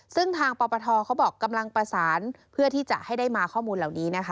ซึ่งทางปปทเขาบอกกำลังประสานเพื่อที่จะให้ได้มาข้อมูลเหล่านี้นะคะ